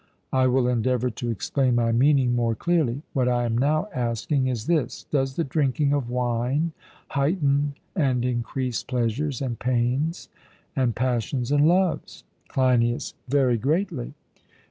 I will endeavour to explain my meaning more clearly: what I am now asking is this Does the drinking of wine heighten and increase pleasures and pains, and passions and loves? CLEINIAS: Very greatly.